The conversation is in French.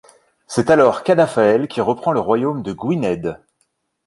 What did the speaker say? C'est alors Cadafael qui reprend le royaume de Gwynedd.